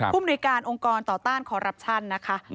ผู้บริการองค์กรต่อต้านคอรับชันนะคะ